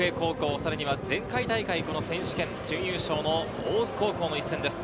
さらには前回大会選手権準優勝の大津高校の一戦です。